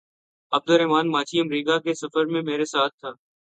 Abdul Rahman Machhi America کے سفر میں میرے ساتھ تھا۔